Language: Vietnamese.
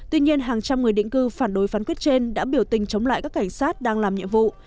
tuy nhiên hàng trăm người định cư phản đối phán quyết trên đã biểu tình chống lại các cảnh sát đang làm nhiệm vụ